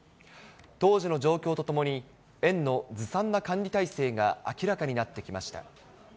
当時の状況とともに、園のずさんな管理体制が明らかになってきました。